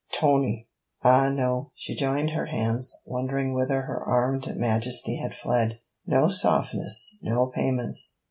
'Tony!' 'Ah! no,' she joined her hands, wondering whither her armed majesty had fled; 'no softness! no payments!